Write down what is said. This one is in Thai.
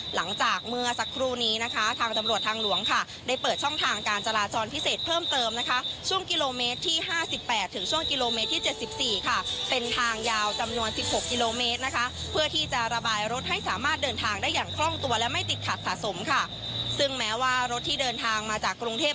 หลังจากเมื่อสักครู่นี้นะคะทางตำรวจทางหลวงค่ะได้เปิดช่องทางการจราจรพิเศษเพิ่มเติมนะคะช่วงกิโลเมตรที่ห้าสิบแปดถึงช่วงกิโลเมตรที่เจ็ดสิบสี่ค่ะเป็นทางยาวจำนวนสิบหกกิโลเมตรนะคะเพื่อที่จะระบายรถให้สามารถเดินทางได้อย่างคล่องตัวและไม่ติดขัดสะสมค่ะซึ่งแม้ว่ารถที่เดินทางมาจากกรุงเทพ